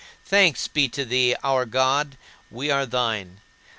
Thanks be unto thee, our God; we are thine.